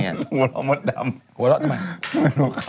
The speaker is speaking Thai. หัวเราะมดดำหัวเราะทำไม